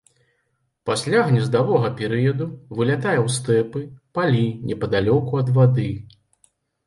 Пасля гнездавога перыяду вылятае ў стэпы, палі непадалёку ад вады.